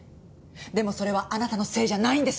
でもそれはあなたのせいじゃないんですよ。